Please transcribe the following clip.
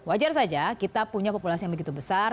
wajar saja kita punya populasi yang begitu besar